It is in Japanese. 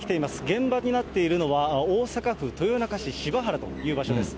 現場になっているのは、大阪府豊中市柴原という場所です。